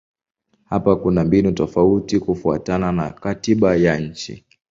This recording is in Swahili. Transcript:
Hapa kuna mbinu tofauti kufuatana na katiba ya nchi.